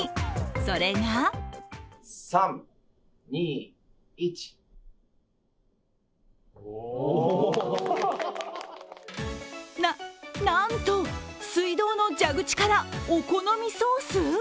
それがな、なんと、水道の蛇口からお好みソース！？